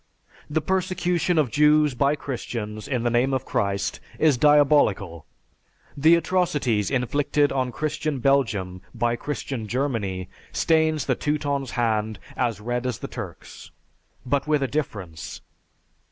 The persecution of Jews by Christians in the name of Christ is diabolical. The atrocities inflicted on Christian Belgium by Christian Germany stains the Teuton's hand as red as the Turk's, but with a difference.